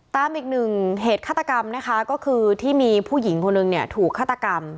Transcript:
ตามอีกหนึ่งเหตุฆาตกรรมนะคะก็คือที่มีผู้หญิงคนหนึ่งเนี่ยถูกฆาตกรรม